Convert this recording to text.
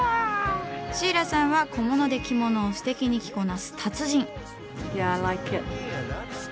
シーラさんは小物で着物をステキに着こなす達人。